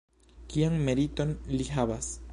Kian meriton li havas?